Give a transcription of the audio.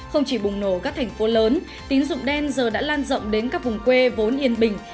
không chỉ bùng nổ các thành phố lớn tín dụng đen giờ đã lan rộng đến các vùng quê vốn yên bình